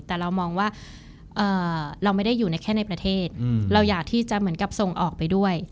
แต่เรามองว่าเราไม่ได้อยู่ในแค่ในประเทศเราอยากที่จะเหมือนกับส่งออกไปด้วย